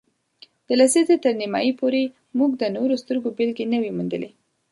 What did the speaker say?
د لسیزې تر نیمایي پورې، موږ د نورو ستورو بېلګې نه وې موندلې.